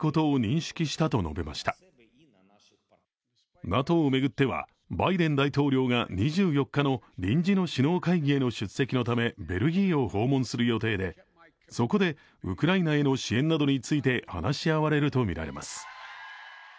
ＮＡＴＯを巡ってはバイデン大統領が２４日の臨時の首脳会議への出席のためベルギーを訪問する予定でそこでウクライナへの支援などについて話し合われるとみられます。